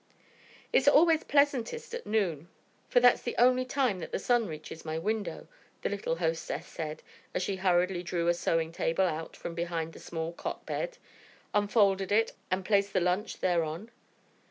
"It's always pleasantest at noon, for that's the only time that the sun reaches my window," the little hostess said, as she hurriedly drew a sewing table out from behind the small cot bed, unfolded it and placed the lunch thereon.